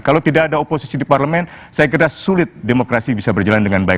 kalau tidak ada oposisi di parlemen saya kira sulit demokrasi bisa berjalan dengan baik